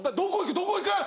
どこ行く？